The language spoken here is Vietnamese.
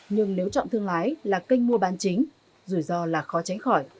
nhưng nếu chọn thương lái là kênh mua bán chính rủi ro là khó tránh khỏi